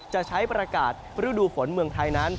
จะใช้ประกาศฤดูฝนเมืองไทยนั้น